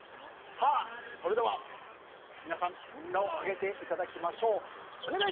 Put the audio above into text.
それでは皆さん札を上げていただきましょう。